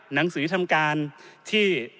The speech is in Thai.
หนังสือทำการที่